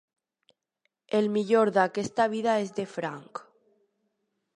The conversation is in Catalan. El millor d'aquesta vida és de franc.